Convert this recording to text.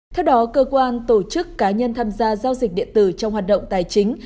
theo đó cơ quan tổ chức cá nhân tham gia giao dịch điện tử trong hoạt động tài chính